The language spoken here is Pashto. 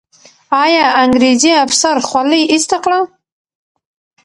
آیا انګریزي افسر خولۍ ایسته کړه؟